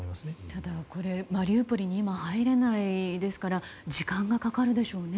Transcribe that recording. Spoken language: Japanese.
ただマリウポリに今、入れないですから時間がかかるでしょうね。